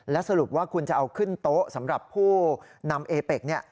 สรุปว่าคุณจะเอาขึ้นโต๊ะสำหรับผู้นำเอเป็ก